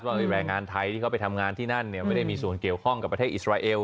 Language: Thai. แรงงานไทยที่เขาไปทำงานที่นั่นเนี่ยไม่ได้มีส่วนเกี่ยวข้องกับประเทศอิสราเอล